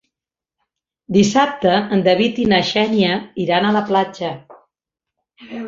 Dissabte en David i na Xènia iran a la platja.